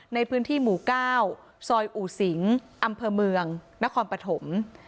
ในพื้นที่หมู่๙ซอยอู่สิงอำเภอเมืองนครปฐม